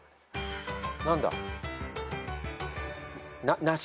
何だ？